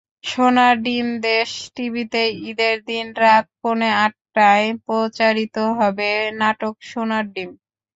সোনার ডিমদেশ টিভিতে ঈদের দিন রাত পৌনে আটটায় প্রচারিত হবে নাটক সোনার ডিম।